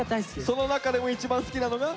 その中でも一番好きなのが？